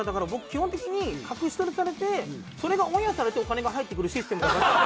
基本的に隠し撮りされてそれがオンエアされてお金が入ってくるシステムだから。